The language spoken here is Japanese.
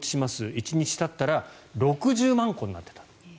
１日たったら６０万個になっていたと。